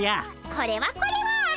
これはこれは。